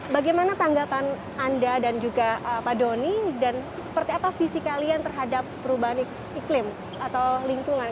bagaimana tanggapan anda dan juga pak doni dan seperti apa visi kalian terhadap perubahan iklim atau lingkungan